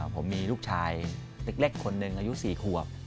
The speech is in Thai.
ผมมีลูกชายเล็กคนหนึ่งอายุ๔ขวบ